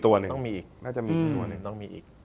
น่าจะมีอีกตัวนึง